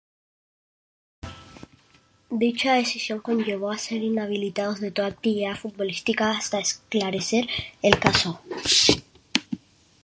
Dicha decisión conllevó a ser inhabilitados de toda actividad futbolística hasta esclarecer el caso.